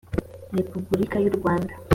repuburika y u rwanda